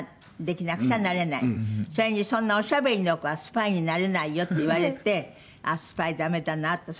それにそんなおしゃべりの子はスパイになれないよって言われてスパイダメだなって。